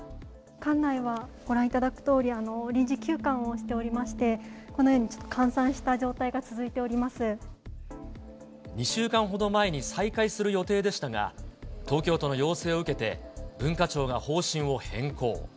館内はご覧いただくとおり、臨時休館をしておりまして、このように閑散とした状態が続い２週間ほど前に再開する予定でしたが、東京都の要請を受けて、文化庁が方針を変更。